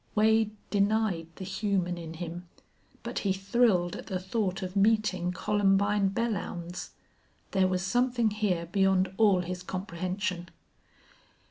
Wade denied the human in him, but he thrilled at the thought of meeting Columbine Belllounds. There was something here beyond all his comprehension.